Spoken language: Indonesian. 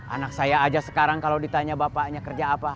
anak saya aja sekarang kalau ditanya bapaknya kerja apa